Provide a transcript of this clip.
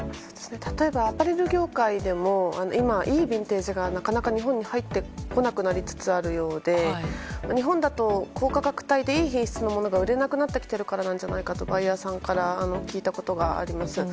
例えばアパレル業界でも今、いいビンテージがなかなか日本に入ってこなくなりつつあるようで日本だと高価格帯でいい品質のものが売れなくなってきてるからじゃないかとバイヤーさんから聞いたことがあります。